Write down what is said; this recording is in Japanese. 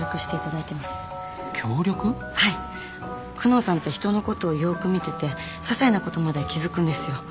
久能さんって人のことをよーく見ててささいなことまで気付くんですよ